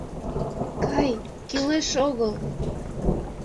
Кай, кӱлеш огыл...